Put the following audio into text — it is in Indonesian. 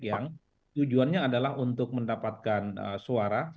yang tujuannya adalah untuk mendapatkan suara